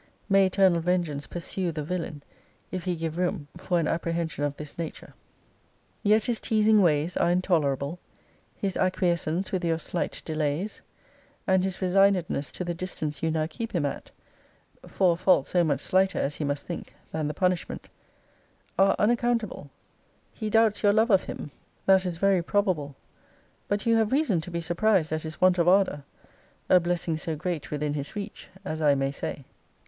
May eternal vengeance pursue the villain, if he give room for an apprehension of this nature! Yet his teasing ways are intolerable; his acquiescence with your slight delays, and his resignedness to the distance you now keep him at, (for a fault so much slighter, as he must think, than the punishment,) are unaccountable: He doubts your love of him, that is very probable; but you have reason to be surprised at his want of ardour; a blessing so great within his reach, as I may say.